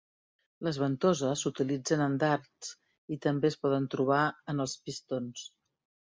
Les ventoses s'utilitzen en dards i també es poden trobar en els pistons.